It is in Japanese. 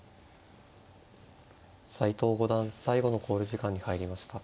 斎藤五段最後の考慮時間に入りました。